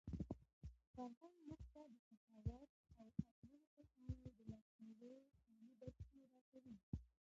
فرهنګ موږ ته د سخاوت او د اړمنو کسانو د لاسنیوي عالي درسونه راکوي.